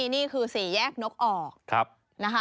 นี่คือ๔แยกนกออก